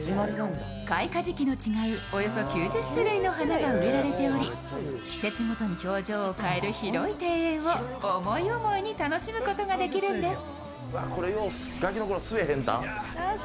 開花時期の違う、およそ９０種類の花が植えられており、季節ごとに表情を変える広い庭園を思い思いに楽しむことができるんです。